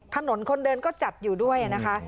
ถนนคนเดินก็จัดอยู่ด้วยนะคะ